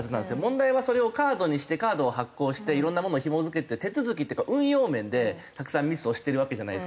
問題はそれをカードにしてカードを発行していろんなものをひも付けて手続きっていうか運用面でたくさんミスをしているわけじゃないですか。